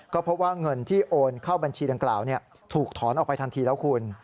ก็พบว่าเงินที่โอนเข้าบัญชีดังกล่าวถูกถอนออกไปทันทีแล้วคุณ